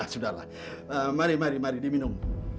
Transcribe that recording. sudahlah mari mari diminum